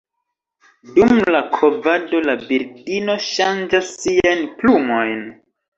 Dum la kovado la birdino ŝanĝas siajn plumojn.